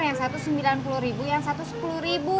yang satu ratus sembilan puluh ribu yang satu sepuluh ribu